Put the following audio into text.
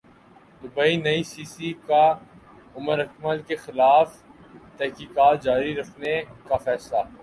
Dubai ئی سی سی کا عمراکمل کیخلاف تحقیقات جاری رکھنے کا فیصلہ